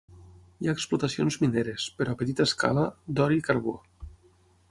Hi ha explotacions mineres, però a petita escala, d'or i carbó.